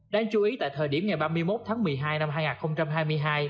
đáng chú ý tại thời điểm ngày ba mươi một tháng một mươi hai năm hai nghìn hai mươi hai